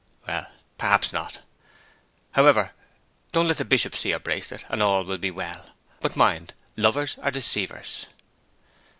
'Well, perhaps not. However, don't let the Bishop see your bracelet, and all will be well. But mind, lovers are deceivers.'